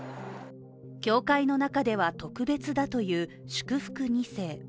教会の中では特別だという祝福２世。